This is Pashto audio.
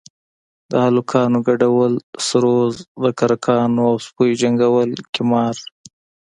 د هلکانو گډول سروذ د کرکانو او سپيو جنگول قمار.